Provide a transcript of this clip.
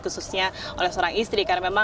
khususnya oleh seorang istri